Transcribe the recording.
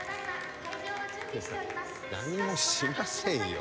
何もしませんよ